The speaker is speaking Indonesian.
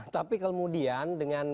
tapi kemudian dengan